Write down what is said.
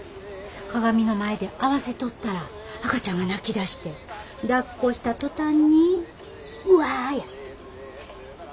鏡の前で合わせとったら赤ちゃんが泣きだしてだっこした途端にウワッや。